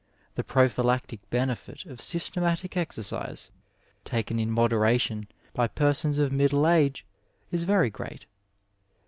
The prophylactic benefit of systematic exercise, taken in moderation by persons of middle age, is very great.